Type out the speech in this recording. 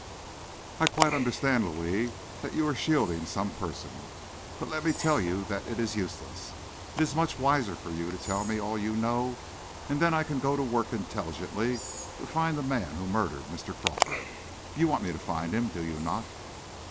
"I quite understand, Louis, that you are shielding some person. But let me tell you that it is useless. It is much wiser for you to tell me all you know, and then I can go to work intelligently to find the man who murdered Mr. Crawford. You want me to find him, do you not?"